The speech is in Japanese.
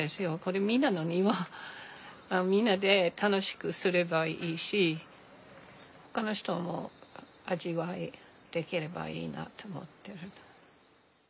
みんなで楽しくすればいいしほかの人も味わいできればいいなと思ってる。